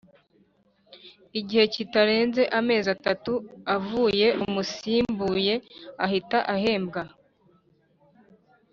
Igihe kitarenze amezi atatu avuyeho Umusimbuye ahita ahembwa